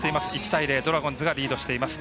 １対０ドラゴンズがリードしています。